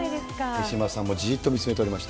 手嶋さんもじーっと見つめておりまして。